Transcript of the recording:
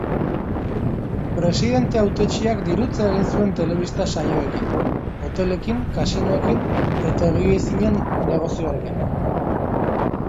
Presidente hautetsiak dirutza egin zuen telebista-saioekin, hotelekin, kasinoekin eta higiezinen negozioekin.